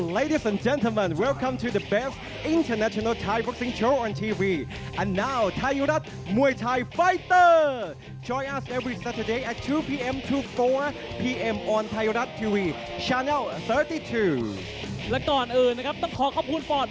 และก่อนอื่นนะครับต้องขอขอบคุณฟอร์ด